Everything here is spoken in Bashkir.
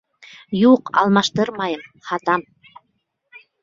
Юҡ, алмаштырмайым, һатам!